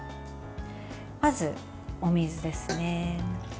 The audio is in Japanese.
まず、お水ですね。